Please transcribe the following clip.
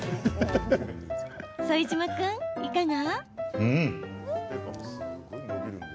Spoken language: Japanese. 副島君、いかが？